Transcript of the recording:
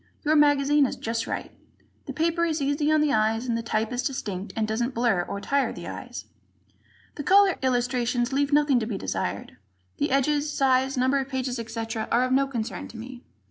Your magazine is just right. The paper is easy on the eyes and the type is distinct and doesn't blur or tire the eyes. The cover illustrations leave nothing to be desired. The edges, size, number of pages, etc., are of no concern to me.